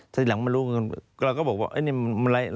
สักทีหลังมารู้กันก็เราก็บอกว่า